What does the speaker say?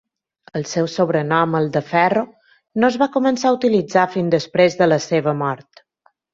El seu sobrenom "el de Ferro" no es va començar a utilitzar fins després de la seva mort.